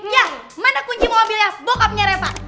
yah mana kunci mau ambil hias bokapnya reva